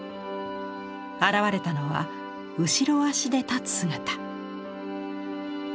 現れたのは後ろ足で立つ姿。